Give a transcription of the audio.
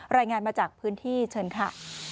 รายงานมาจากพื้นที่เชิญค่ะ